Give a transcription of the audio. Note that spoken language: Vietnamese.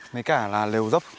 mới cả là lều dốc